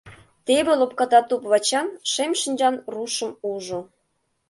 Теве лопката туп-вачан, шем шинчан рушым ужо.